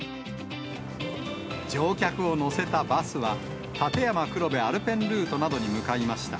乗客を乗せたバスは、立山黒部アルペンルートなどに向かいました。